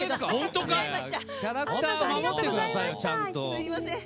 すいません。